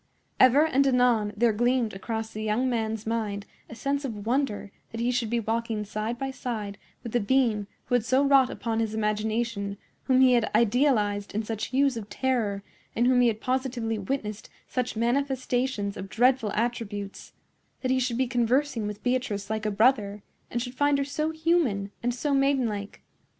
Ever and anon there gleamed across the young man's mind a sense of wonder that he should be walking side by side with the being who had so wrought upon his imagination, whom he had idealized in such hues of terror, in whom he had positively witnessed such manifestations of dreadful attributes,—that he should be conversing with Beatrice like a brother, and should find her so human and so maidenlike.